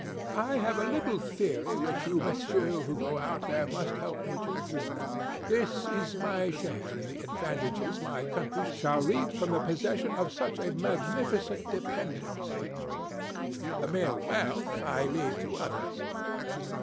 'I have a little theory which you Messieurs who go out there must help me to prove. This is my share in the advantages my country shall reap from the possession of such a magnificent dependency. The mere wealth I leave to others.